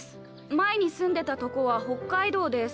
前に住んでたトコは北海道です。